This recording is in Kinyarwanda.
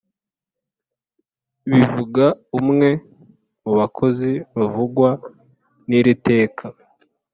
bivuga umwe mu bakozi bavugwa nir’iteka